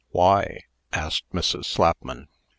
"Why?" asked Mrs. Slapman.